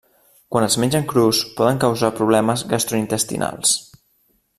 Quan es mengen crus poden causar problemes gastrointestinals.